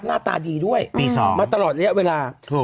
หน้าตาดีด้วยปี๒มาตลอดระยะเวลา